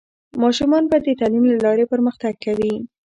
ماشومان به د تعلیم له لارې پرمختګ کوي.